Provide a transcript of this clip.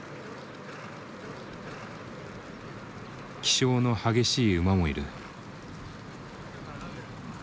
気性の激しい馬もいる。